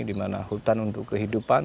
di mana hutan untuk kehidupan